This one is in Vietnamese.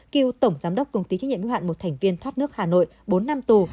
cựu tổng giám đốc công ty chính nhận nguyên hạn một thành viên thoát nước hà nội bốn năm tù